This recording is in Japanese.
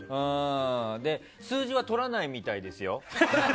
で、数字は取らないみたいですよ。